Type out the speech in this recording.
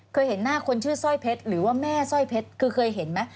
เคยเห็นหน้าคนชื่อสร้อยเพชรหรือว่าแม่สร้อยเพชรคือเคยเห็นไหม